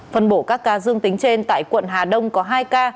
phân bổ các ca dương tính trên tại quận hà đông có hai ca